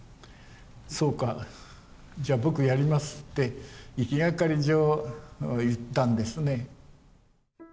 そうかじゃあ僕やりますって行きがかり上言ったんですね。